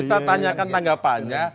kita tanyakan tanggapannya